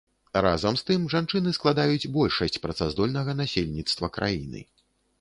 Разам з тым жанчыны складаюць большасць працаздольнага насельніцтва краіны.